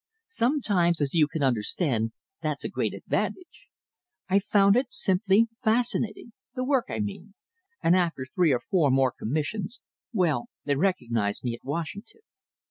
Sometimes, as you can understand, that's a great advantage. I found it simply fascinating the work, I mean and after three or four more commissions well, they recognised me at Washington.